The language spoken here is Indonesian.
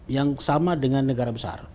yang sama dengan negara besar